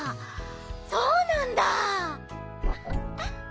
そうなんだ！